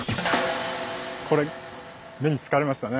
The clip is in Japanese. これ目に付かれましたね